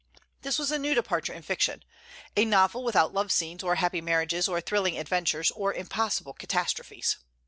This was a new departure in fiction, a novel without love scenes or happy marriages or thrilling adventures or impossible catastrophes.